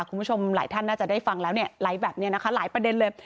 คุณผู้ชมหลายท่านน่าจะได้ฟังแล้วเนี่ยไลค์แบบนี้นะคะหลายประเด็นเลย